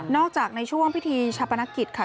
จากในช่วงพิธีชาปนกิจค่ะ